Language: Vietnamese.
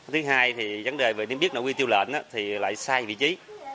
thứ hai vấn đề về niêm biết nội quy tiêu lệnh lại sai vị trí